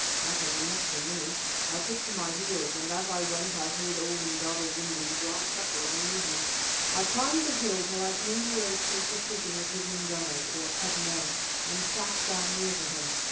That was enough for me, I took to my heels, and as I went I heard old Indaba zimbi's dry chuckle of amusement. I climbed the hill till I came to where the chief was sitting with his indunas, or headmen, and sat down near to him.